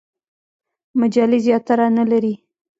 مجلې زیاتره نه لري.